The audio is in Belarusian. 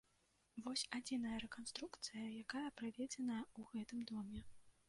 Вось адзіная рэканструкцыя, якая праведзеная ў гэтым доме.